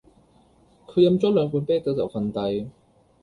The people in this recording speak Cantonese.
佢飲咗兩罐啤酒就瞓低